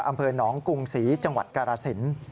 อำเภอหนองกรุงศรีจังหวัดกาลสิน